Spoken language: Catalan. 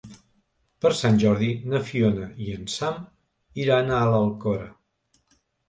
Per Sant Jordi na Fiona i en Sam iran a l'Alcora.